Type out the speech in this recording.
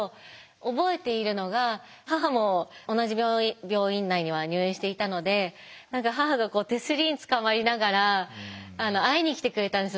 覚えているのが母も同じ病院内には入院していたので母が手すりにつかまりながら会いに来てくれたんですよ。